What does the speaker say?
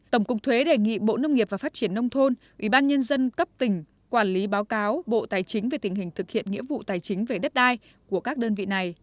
tổng cục thuế đề nghị bộ nông nghiệp và phát triển nông thôn ủy ban nhân dân cấp tỉnh quản lý báo cáo bộ tài chính về tình hình thực hiện nghĩa vụ tài chính về đất đai của các đơn vị này